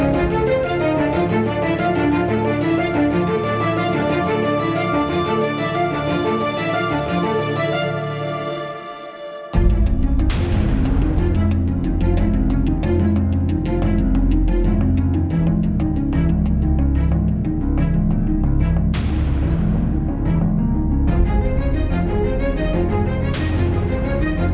โปรดติดตามตอนต่อไป